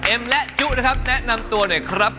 เอ็มและจู้นะครับแนะนำตัวให้ด้วยครับ